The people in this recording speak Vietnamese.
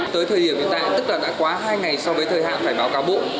tới thời điểm hiện tại tức là đã quá hai ngày so với thời hạn phải báo cáo bộ